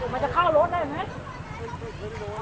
มันจะเข้ารถได้ไหม